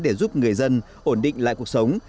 để giúp người dân ổn định lại cuộc sống